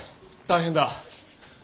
大変だ。